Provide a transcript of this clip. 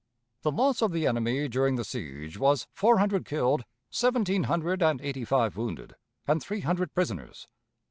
The loss of the enemy during the siege was four hundred killed, seventeen hundred and eighty five wounded, and three hundred prisoners.